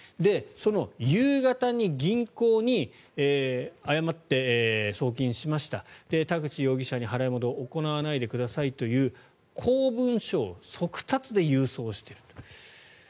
その夕方に銀行に誤って送金しました田口容疑者に払い戻しを行わないでくださいという公文書を速達で郵送している。